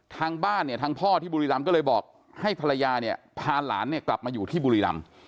ทางบ้านเนี่ยทางพ่อที่บุรีรำก็เลยบอกให้ภรรยาเนี่ยพาหลานเนี่ยกลับมาอยู่ที่บุรีรำ